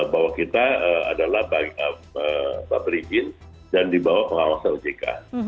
bahwa kita adalah berizin dan dibawah pengawasan ojk